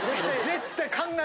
絶対！